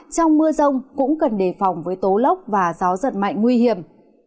trong mưa rông cũng cần đề phòng với tố lốc và gió giật mạnh nguy hiểm